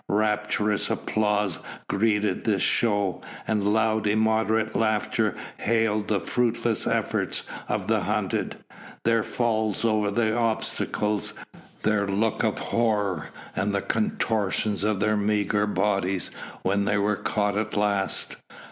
Rapturous applause greeted this show, and loud immoderate laughter hailed the fruitless efforts of the hunted, their falls over the obstacles, their look of horror, and the contortions of their meagre bodies when they were caught at last.